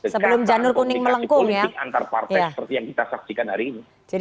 sebelum janur kuning melengkung ya